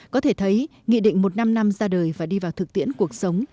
có thể thấy nghị định một năm năm ra đời và đi vào thực tiễn cuộc sống